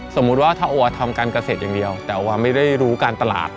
สมมุติว่าถ้าโอทำการเกษตรอย่างเดียวแต่ว่าไม่ได้รู้การตลาด